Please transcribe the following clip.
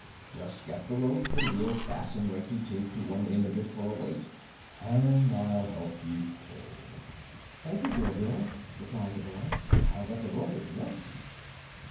Just get the rope, and we'll fasten Rinkitink to one end of it for a weight and I'll help you pull." "Thank you, Bilbil," replied the boy. "I'll get the rope at once."